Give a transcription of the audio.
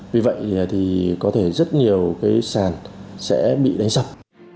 vì vậy thì có thể rất nhiều cái sàn sẽ bị đánh sập